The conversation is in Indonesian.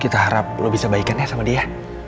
kita harap lo bisa baikan ya sama dia